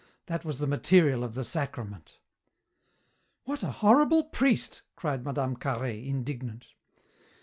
That was the material of the Sacrament." "What a horrible priest!" cried Mme. Carhaix, indignant.